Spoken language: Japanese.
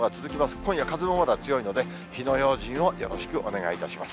今夜、風もまだ強いので、火の用心をよろしくお願いいたします。